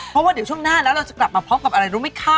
เพราะว่าเดี๋ยวช่วงหน้าแล้วเราจะกลับมาพร้อมกับอะไรรู้ไหมคะ